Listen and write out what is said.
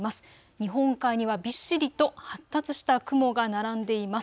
日本海にはびっしりと発達した雲が並んでいます。